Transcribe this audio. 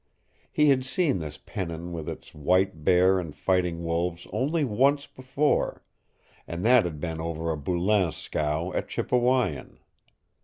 He had seen this pennon with its white bear and fighting wolves only once before, and that had been over a Boulain scow at Chipewyan.